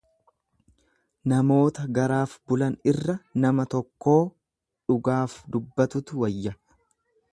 Namoota garaaf bulan irra nama tokkoo dhugaaf dubbatutu wayya.